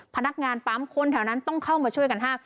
พนักงานปั๊มคนแถวนั้นต้องเข้ามาช่วยกันห้าม